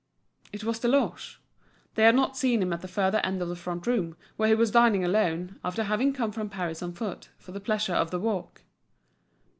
It was Deloche. They had not seen him at the further end of the front room, where he was dining alone, after having come from Paris on foot, for the pleasure of the walk.